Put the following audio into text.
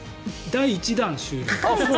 第１弾終了。